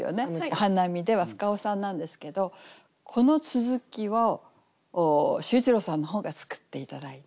「お花見で」は深尾さんなんですけどこの続きを秀一郎さんの方が作って頂いて。